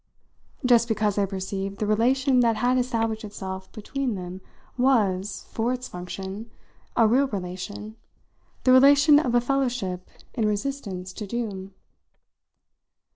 Just because, I perceived, the relation that had established itself between them was, for its function, a real relation, the relation of a fellowship in resistance to doom.